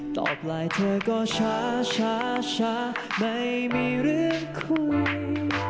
ตอบไลน์เธอก็ช้าช้าไม่มีเรื่องคุย